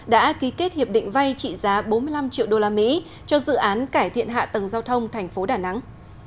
đã ký kết hiệp định vay trị giá bốn mươi năm triệu usd cho dự án cải thiện hạ tầng giao thông tp đà nẵng